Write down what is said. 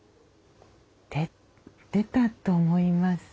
出たと思いますね。